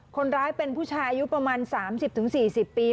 คนร้ายเป็นผู้ชายอายุประมาณ๓๐๔๐ปี